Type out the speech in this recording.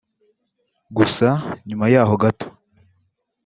Gusa nyuma yaho gato